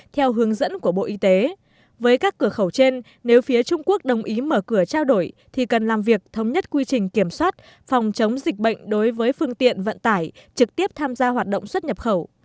theo hướng dẫn của bộ y tế với các cửa khẩu trên nếu phía trung quốc đồng ý mở cửa trao đổi thì cần làm việc thống nhất quy trình kiểm soát phòng chống dịch bệnh đối với phương tiện vận tải trực tiếp tham gia hoạt động xuất nhập khẩu